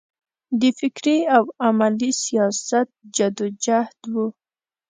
د فکري او عملي سیاست جدوجهد و.